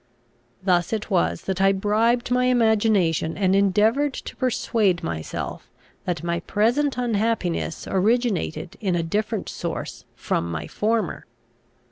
Thus it was that I bribed my imagination, and endeavoured to persuade myself that my present unhappiness originated in a different source from my former.